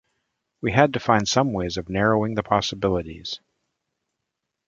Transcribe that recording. We had to find some way of narrowing the possibilities.